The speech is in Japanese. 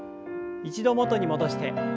一度元に戻して。